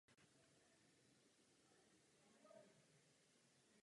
Zbývající čtyři obrazy jsou již zpívané.